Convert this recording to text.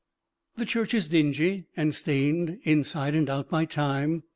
The church is dingy and stained inside and out by time.